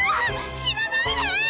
死なないで！